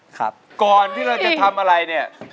ก่อนที่เราจะทำอะไรเนี่ย